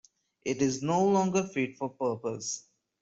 It is no longer fit for purpose.